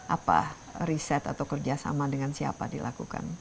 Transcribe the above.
apa riset atau kerjasama dengan siapa dilakukan